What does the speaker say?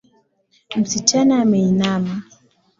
Msichana ameinama